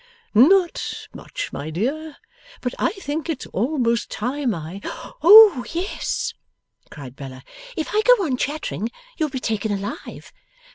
'Not much, my dear; but I think it's almost time I ' 'Oh, yes!' cried Bella. 'If I go on chattering, you'll be taken alive.